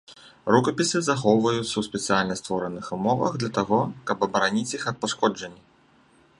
Рукапісы захоўваюцца ў спецыяльна створаных умовах для таго, каб абараніць іх ад пашкоджанні.